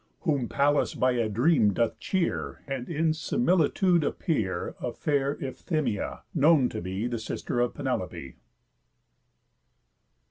Whom Pallas by a dream doth cheer, And in similitude appear Of fair Iphthima, known to be The sister of Penelope.